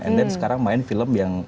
and then sekarang main film yang